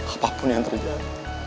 apapun yang terjadi